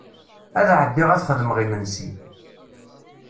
Ad ɛeddiɣ ad xedmeɣ imensi.